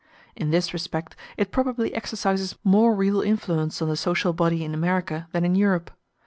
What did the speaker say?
In this respect it probably exercises more real influence on the social body in America than in Europe.